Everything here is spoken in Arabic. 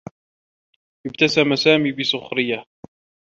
أبتسم سامي بسخريّة.